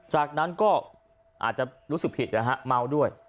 จากนั้นก็อาจจะรู้สึกผิดนะฮะเมาด้วย